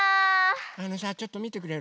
あのさちょっとみてくれる？